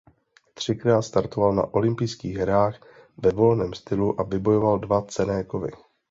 Třikrát startoval na olympijských hrách ve volném stylu a vybojoval dva cenné kovy.